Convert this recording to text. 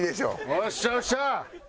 よっしゃよっしゃ！